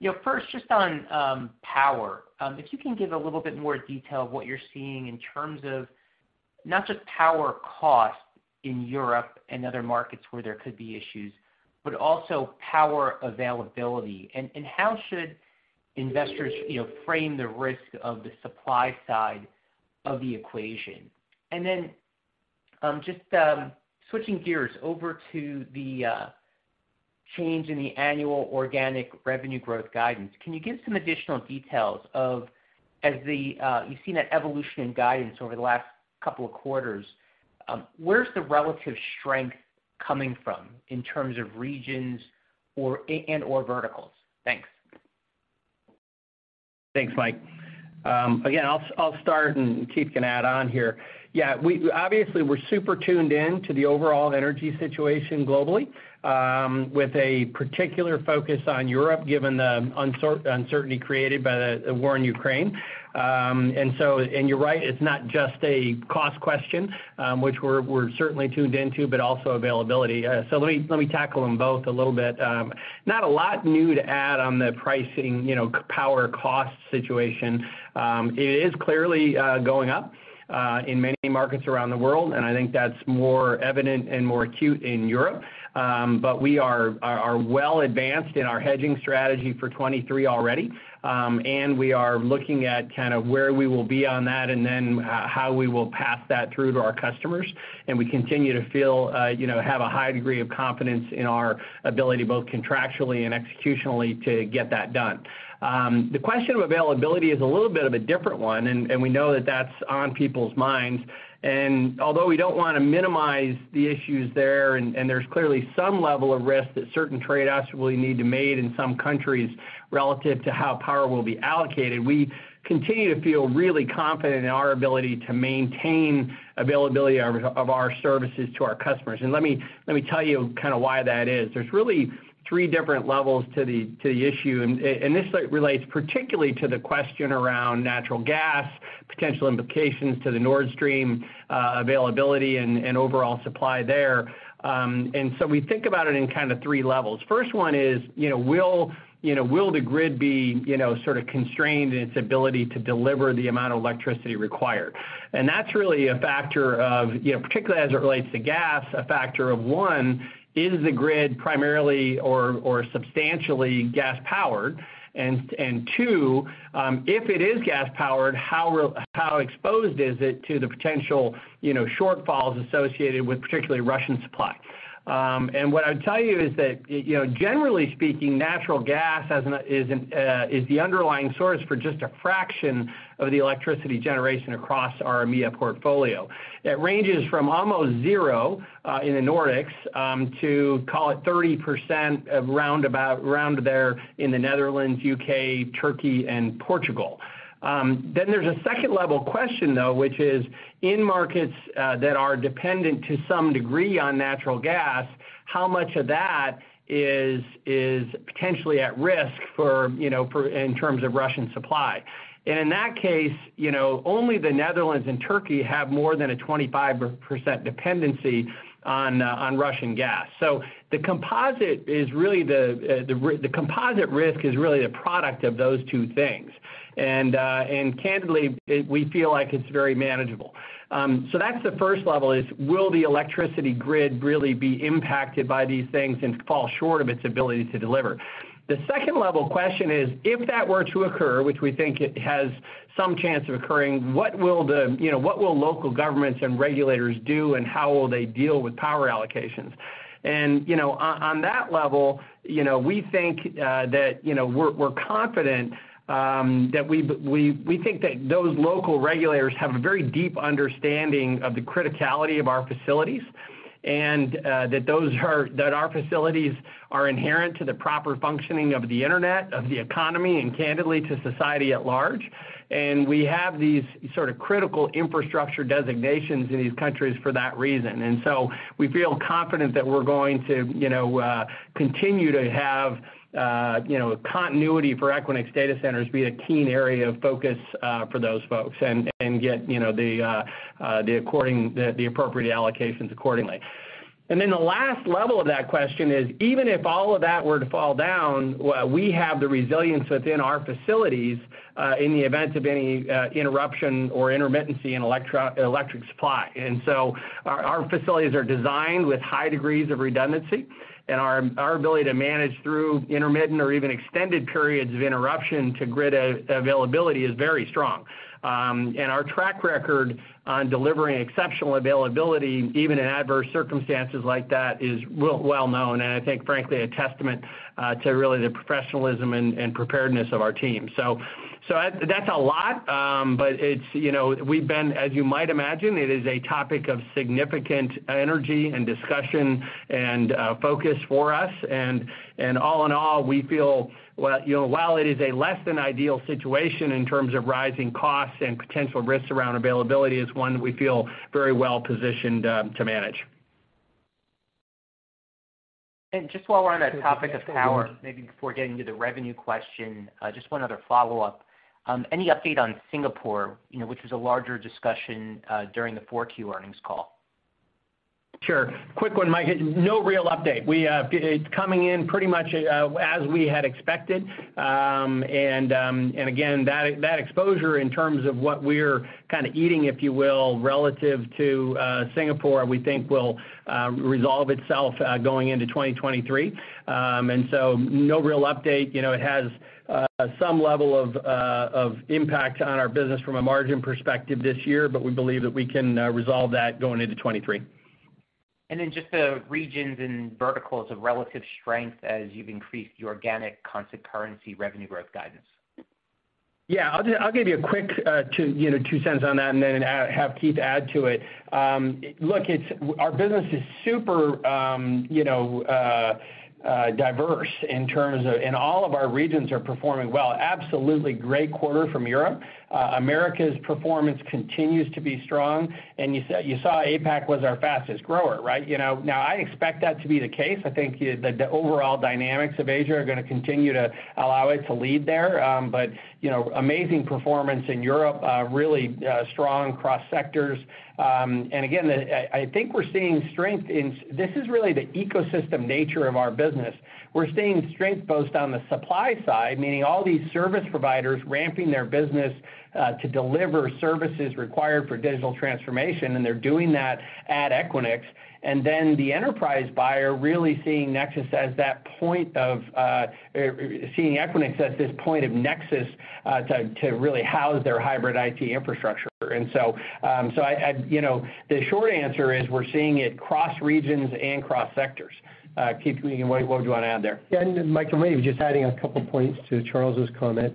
You know, first just on power, if you can give a little bit more detail of what you're seeing in terms of not just power cost in Europe and other markets where there could be issues, but also power availability. How should investors, you know, frame the risk of the supply side of the equation? Just switching gears over to the change in the annual organic revenue growth guidance. Can you give some additional details of as the you've seen that evolution in guidance over the last couple of quarters, where's the relative strength coming from in terms of regions or and/or verticals? Thanks. Thanks, Mike. Again, I'll start and Keith can add on here. Yeah, we're obviously super tuned in to the overall energy situation globally, with a particular focus on Europe, given the uncertainty created by the war in Ukraine. You're right, it's not just a cost question, which we're certainly tuned into, but also availability. So let me tackle them both a little bit. Not a lot new to add on the pricing, you know, power cost situation. It is clearly going up in many markets around the world, and I think that's more evident and more acute in Europe. But we are well advanced in our hedging strategy for 2023 already. We are looking at kind of where we will be on that and then how we will pass that through to our customers. We continue to feel, you know, have a high degree of confidence in our ability, both contractually and executionally, to get that done. The question of availability is a little bit of a different one, and we know that that's on people's minds. Although we don't wanna minimize the issues there, and there's clearly some level of risk that certain trade-offs will need to be made in some countries relative to how power will be allocated, we continue to feel really confident in our ability to maintain availability of our services to our customers. Let me tell you kind of why that is. There's really three different levels to the issue, and this relates particularly to the question around natural gas potential implications to the Nord Stream availability and overall supply there. We think about it in kind of three levels. First one is, will the grid be sort of constrained in its ability to deliver the amount of electricity required? That's really a factor of, particularly as it relates to gas, a factor of one, is the grid primarily or substantially gas-powered? Two, if it is gas-powered, how exposed is it to the potential shortfalls associated with particularly Russian supply? What I would tell you is that, you know, generally speaking, natural gas is the underlying source for just a fraction of the electricity generation across our EMEA portfolio. It ranges from almost zero in the Nordics to call it 30% around there in the Netherlands, UK, Turkey, and Portugal. There's a second level question though, which is, in markets that are dependent to some degree on natural gas, how much of that is potentially at risk for, you know, for in terms of Russian supply? In that case, you know, only the Netherlands and Turkey have more than a 25% dependency on Russian gas. The composite is really the composite risk is really the product of those two things. We feel like it's very manageable. That's the first level is, will the electricity grid really be impacted by these things and fall short of its ability to deliver? The second level question is, if that were to occur, which we think it has some chance of occurring, what will the, you know, what will local governments and regulators do, and how will they deal with power allocations? You know, on that level, you know, we think that, you know, we're confident that we think that those local regulators have a very deep understanding of the criticality of our facilities and that our facilities are inherent to the proper functioning of the internet, of the economy, and candidly to society at large. We have these sort of critical infrastructure designations in these countries for that reason. We feel confident that we're going to, you know, continue to have, you know, continuity for Equinix data centers be a keen area of focus for those folks and get, you know, the appropriate allocations accordingly. The last level of that question is, even if all of that were to fall down, well, we have the resilience within our facilities in the event of any interruption or intermittency in electric supply. Our facilities are designed with high degrees of redundancy, and our ability to manage through intermittent or even extended periods of interruption to grid availability is very strong. Our track record on delivering exceptional availability, even in adverse circumstances like that, is really well known and I think frankly a testament to really the professionalism and preparedness of our team. So that's a lot, but it's, you know, as you might imagine, it is a topic of significant energy and discussion and focus for us. All in all, we feel you know, while it is a less than ideal situation in terms of rising costs and potential risks around availability, it's one we feel very well positioned to manage. Just while we're on that topic of power, maybe before getting to the revenue question, just one other follow-up. Any update on Singapore, you know, which was a larger discussion during the Q4 earnings call? Sure. Quick one, Mike. No real update. It's coming in pretty much as we had expected. Again, that exposure in terms of what we're kind of eating, if you will, relative to Singapore, we think will resolve itself going into 2023. No real update. You know, it has some level of impact on our business from a margin perspective this year, but we believe that we can resolve that going into 2023. Just the regions and verticals of relative strength as you've increased the organic constant currency revenue growth guidance. Yeah. I'll just give you a quick two cents on that and then have Keith add to it. Look, our business is super diverse in terms of. All of our regions are performing well. Absolutely great quarter from Europe. America's performance continues to be strong. You saw APAC was our fastest grower, right? You know, now I expect that to be the case. I think the overall dynamics of Asia are gonna continue to allow it to lead there. You know, amazing performance in Europe, really strong across sectors. Again, I think we're seeing strength in. This is really the ecosystem nature of our business. We're seeing strength both on the supply side, meaning all these service providers ramping their business to deliver services required for digital transformation, and they're doing that at Equinix. The enterprise buyer really seeing Equinix as this point of nexus to really house their hybrid IT infrastructure. You know, the short answer is we're seeing it cross regions and cross sectors. Keith, what would you want to add there? Yeah. Mike, maybe just adding a couple points to Charles's comment.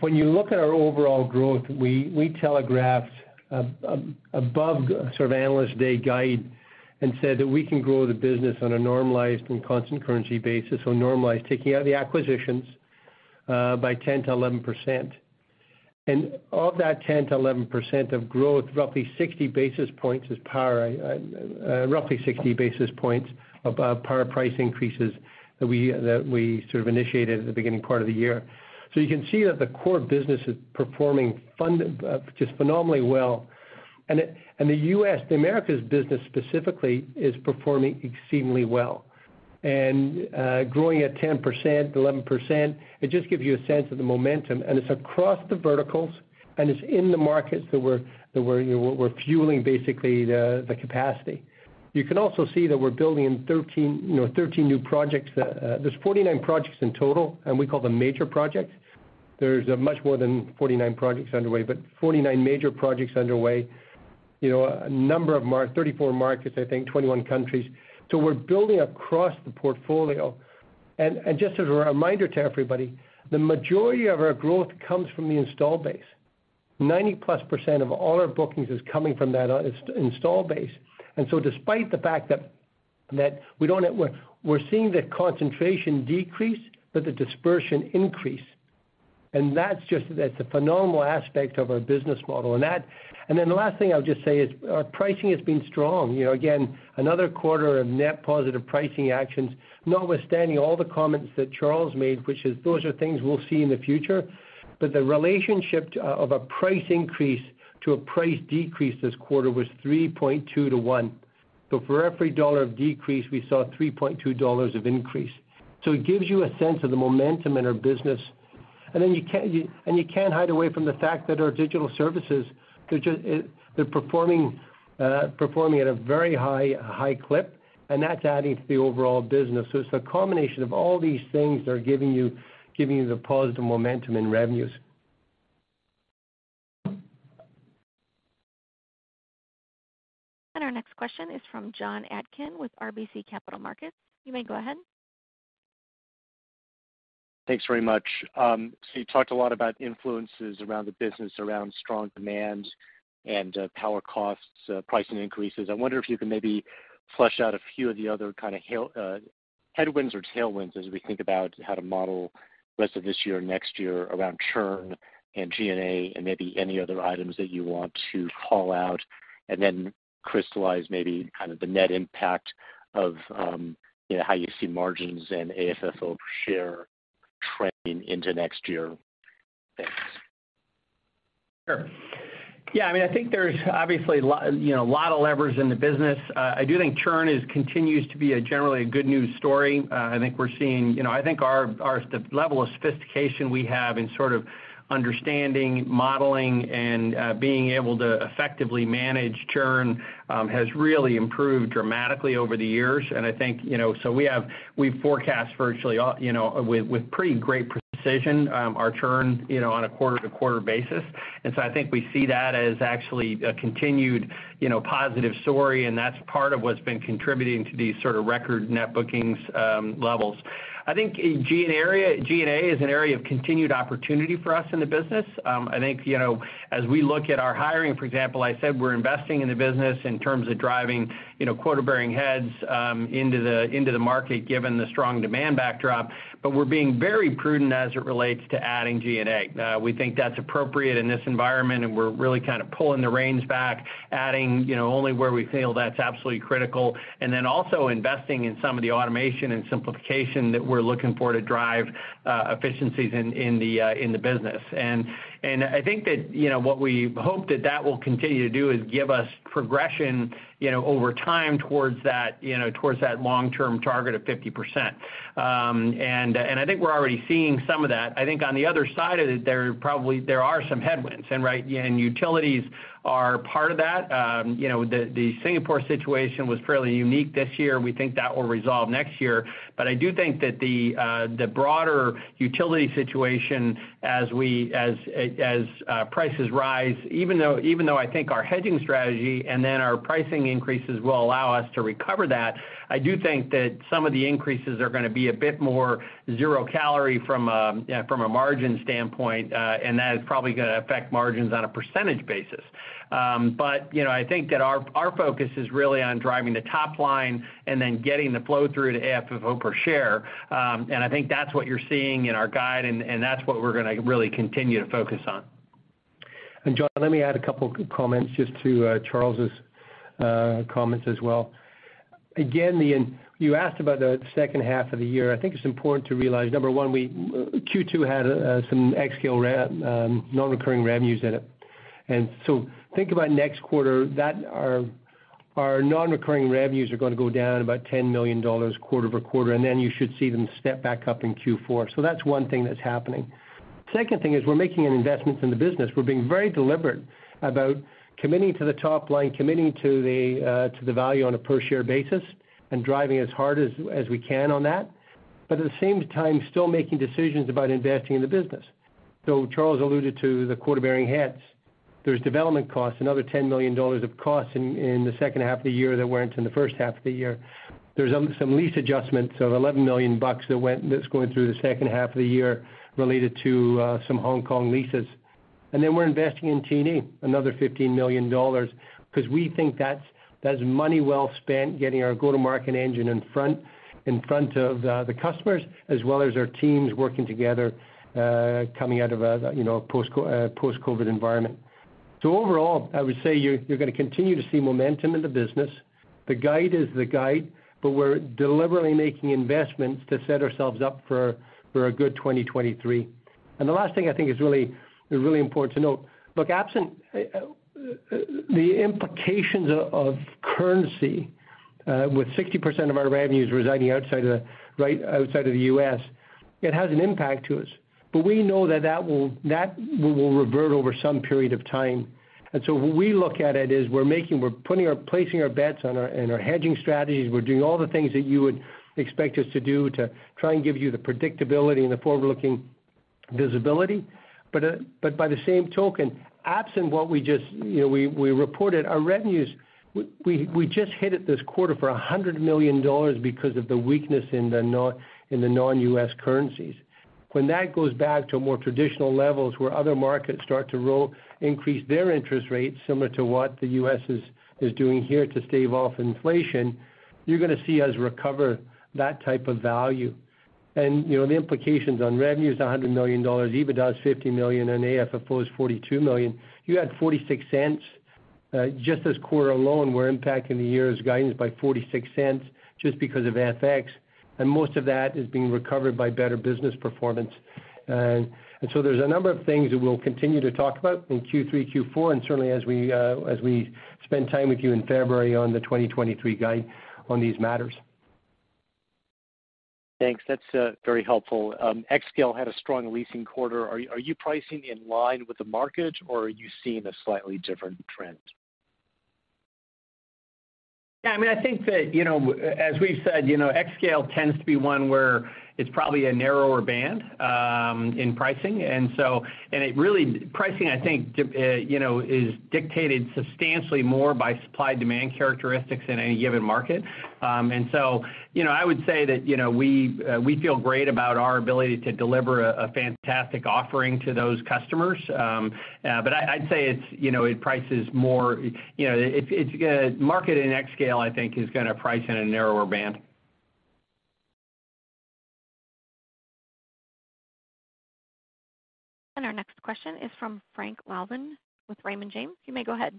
When you look at our overall growth, we telegraphed above sort of Analyst Day guide and said that we can grow the business on a normalized and constant currency basis or normalized, taking out the acquisitions, by 10%-11%. And of that 10%-11% of growth, roughly 60 basis points is power, roughly 60 basis points of power price increases that we sort of initiated at the beginning part of the year. You can see that the core business is performing just phenomenally well. The U.S., the Americas business specifically, is performing exceedingly well. Growing at 10%, 11%, it just gives you a sense of the momentum, and it's across the verticals, and it's in the markets that we're fueling basically the capacity. You can also see that we're building 13 new projects. There's 49 projects in total, and we call them major projects. There's much more than 49 projects underway, but 49 major projects underway. You know, a number of 34 markets, I think, 21 countries. We're building across the portfolio. Just as a reminder to everybody, the majority of our growth comes from the install base. 90%+ of all our bookings is coming from that install base. Despite the fact that we don't have work, we're seeing the concentration decrease, but the dispersion increase. That's just a phenomenal aspect of our business model. Then the last thing I'll just say is our pricing has been strong. You know, again, another quarter of net positive pricing actions, notwithstanding all the comments that Charles made, which is those are things we'll see in the future. The relationship of a price increase to a price decrease this quarter was 3.2 to 1. For every dollar of decrease, we saw 3.2 dollars of increase. It gives you a sense of the momentum in our business. Then you can't hide away from the fact that our digital services, they're just performing at a very high clip, and that's adding to the overall business. It's a combination of all these things that are giving you the positive momentum in revenues. Our next question is from Jonathan Atkin with RBC Capital Markets. You may go ahead. Thanks very much. You talked a lot about influences around the business, around strong demand and power costs, pricing increases. I wonder if you can maybe flesh out a few of the other kind of headwinds or tailwinds as we think about how to model rest of this year, next year around churn and G&A, and maybe any other items that you want to call out, and then crystallize maybe kind of the net impact of how you see margins and AFFO per share trending into next year. Thanks. Sure. Yeah, I mean, I think there's obviously a lot of levers in the business. I do think churn continues to be generally a good news story. I think we're seeing, you know, I think our level of sophistication we have in sort of understanding, modeling, and being able to effectively manage churn has really improved dramatically over the years. I think, you know, so we forecast virtually all, you know, with pretty great precision our churn, you know, on a quarter-to-quarter basis. I think we see that as actually a continued, you know, positive story, and that's part of what's been contributing to these sort of record net bookings levels. I think G&A is an area of continued opportunity for us in the business. I think, you know, as we look at our hiring, for example, I said we're investing in the business in terms of driving, you know, quota-bearing heads into the market given the strong demand backdrop. We're being very prudent as it relates to adding G&A. We think that's appropriate in this environment, and we're really kind of pulling the reins back, adding, you know, only where we feel that's absolutely critical. Also investing in some of the automation and simplification that we're looking for to drive efficiencies in the business. I think that, you know, what we hope that will continue to do is give us progression, you know, over time towards that long-term target of 50%. I think we're already seeing some of that. I think on the other side of it, there are some headwinds, and right, utilities are part of that. You know, the Singapore situation was fairly unique this year. We think that will resolve next year. I do think that the broader utility situation as prices rise, even though I think our hedging strategy and then our pricing increases will allow us to recover that, I do think that some of the increases are gonna be a bit more zero calorie from a margin standpoint, and that is probably gonna affect margins on a percentage basis. You know, I think that our focus is really on driving the top line and then getting the flow through to AFFO per share. I think that's what you're seeing in our guide, and that's what we're gonna really continue to focus on. Jonathan, let me add a couple comments just to Charles's comments as well. Again, you asked about the second half of the year. I think it's important to realize, number one, Q2 had some xScale non-recurring revenues in it. Think about next quarter that our non-recurring revenues are gonna go down about $10 million quarter over quarter, and then you should see them step back up in Q4. That's one thing that's happening. Second thing is we're making an investment in the business. We're being very deliberate about committing to the top line, committing to the value on a per share basis, and driving as hard as we can on that. At the same time, still making decisions about investing in the business. Charles alluded to the quota-bearing heads. There's development costs, another $10 million of costs in the second half of the year that weren't in the first half of the year. There's some lease adjustments of $11 million that's going through the second half of the year related to some Hong Kong leases. We're investing in T&E, another $15 million because we think that's money well spent getting our go-to-market engine in front of the customers, as well as our teams working together coming out of a post-COVID environment. Overall, I would say you're gonna continue to see momentum in the business. The guide is the guide, but we're deliberately making investments to set ourselves up for a good 2023. The last thing I think is really important to note. Look, absent the implications of currency with 60% of our revenues residing outside of the US, it has an impact to us. We know that will revert over some period of time. When we look at it, we're placing our bets on our hedging strategies. We're doing all the things that you would expect us to do to try and give you the predictability and the forward-looking visibility. By the same token, absent what we just you know reported, our revenues we just hit it this quarter for $100 million because of the weakness in the non-US currencies. When that goes back to more traditional levels where other markets start to roll, increase their interest rates similar to what the U.S. is doing here to stave off inflation, you're gonna see us recover that type of value. You know, the implications on revenue is $100 million, EBITDA is $50 million, and AFFO is $42 million. You add $0.46 just this quarter alone, we're impacting the year's guidance by $0.46 just because of FX. Most of that is being recovered by better business performance. So there's a number of things that we'll continue to talk about in Q3, Q4, and certainly as we spend time with you in February on the 2023 guide on these matters. Thanks. That's very helpful. xScale had a strong leasing quarter. Are you pricing in line with the market or are you seeing a slightly different trend? Yeah, I mean, I think that, you know, as we've said, you know, xScale tends to be one where it's probably a narrower band in pricing. Pricing, I think, is dictated substantially more by supply and demand characteristics in any given market. I would say that, you know, we feel great about our ability to deliver a fantastic offering to those customers. But I'd say it's, you know, it prices more, you know. It's market in xScale, I think, is gonna price in a narrower band. Our next question is from Frank Louthan with Raymond James. You may go ahead.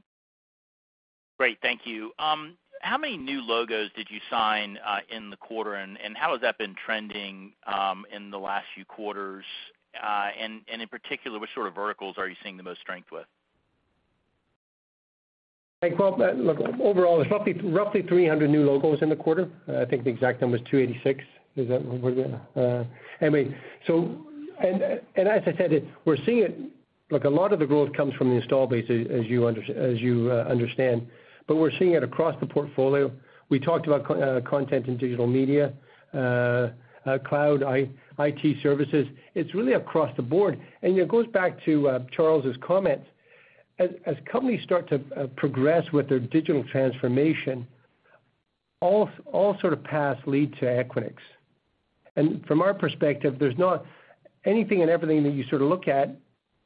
Great. Thank you. How many new logos did you sign in the quarter, and how has that been trending in the last few quarters? In particular, what sort of verticals are you seeing the most strength with? Like, well, look, overall, there's roughly 300 new logos in the quarter. I think the exact number is 286. Is that what it is? Anyway, as I said, we're seeing it. Look, a lot of the growth comes from the install base as you understand, but we're seeing it across the portfolio. We talked about content and digital media, cloud IT services. It's really across the board. It goes back to Charles's comments. As companies start to progress with their digital transformation, all sort of paths lead to Equinix. From our perspective, there's not anything and everything that you sort of look at,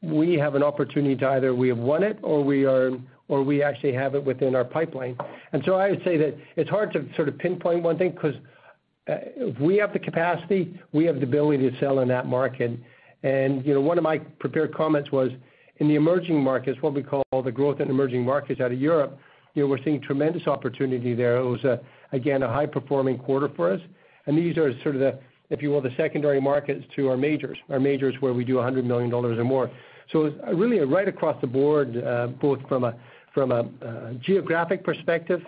we have an opportunity to either we have won it or we actually have it within our pipeline. I would say that it's hard to sort of pinpoint one thing because if we have the capacity, we have the ability to sell in that market. You know, one of my prepared comments was, in the emerging markets, what we call the growth in emerging markets out of Europe, you know, we're seeing tremendous opportunity there. It was again a high-performing quarter for us. These are sort of the, if you will, the secondary markets to our majors, our majors where we do $100 million or more. Really right across the board, both from a geographic perspective,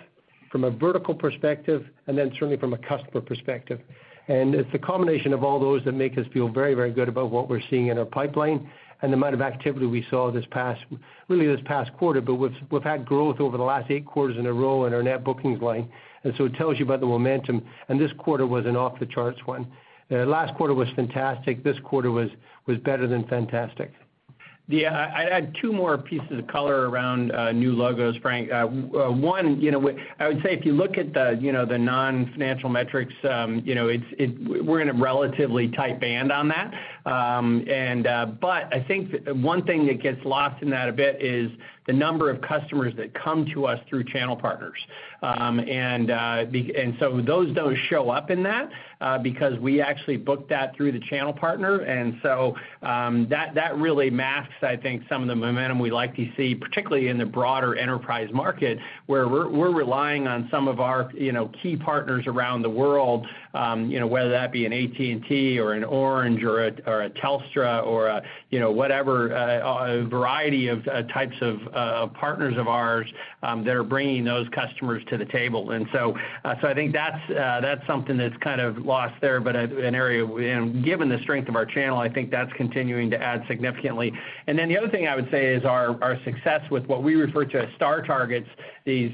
from a vertical perspective, and then certainly from a customer perspective. It's a combination of all those that make us feel very, very good about what we're seeing in our pipeline and the amount of activity we saw this past, really this past quarter. We've had growth over the last eight quarters in a row in our net bookings line. It tells you about the momentum, and this quarter was an off-the-charts one. Last quarter was fantastic. This quarter was better than fantastic. Yeah. I'd add two more pieces of color around new logos, Frank. One, you know, I would say if you look at the you know the non-financial metrics, you know, we're in a relatively tight band on that. I think one thing that gets lost in that a bit is the number of customers that come to us through channel partners. Those don't show up in that because we actually book that through the channel partner. That really masks, I think, some of the momentum we like to see, particularly in the broader enterprise market, where we're relying on some of our, you know, key partners around the world, you know, whether that be an AT&T or an Orange or a Telstra or you know whatever, a variety of types of partners of ours that are bringing those customers to the table. I think that's something that's kind of lost there, but an area, you know, given the strength of our channel, I think that's continuing to add significantly. The other thing I would say is our success with what we refer to as star targets, these,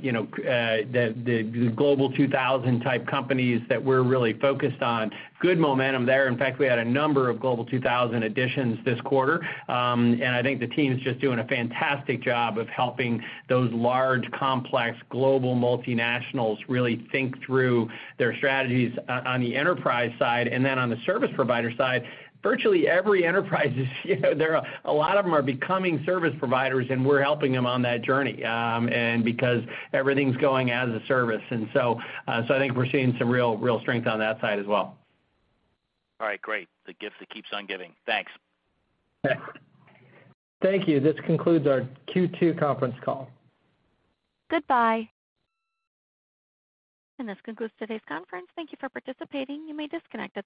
you know, sort of, the Global 2000 type companies that we're really focused on. Good momentum there. In fact, we had a number of Global 2000 additions this quarter. I think the team is just doing a fantastic job of helping those large, complex, global multinationals really think through their strategies on the enterprise side. On the service provider side, virtually every enterprise is you know, there are a lot of them are becoming service providers, and we're helping them on that journey, and because everything's going as a service. I think we're seeing some real strength on that side as well. All right, great. The gift that keeps on giving. Thanks. Thanks. Thank you. This concludes our Q2 conference call. Goodbye. This concludes today's conference. Thank you for participating. You may disconnect.